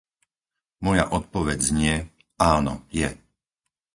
Moja odpoveď znie - áno, je.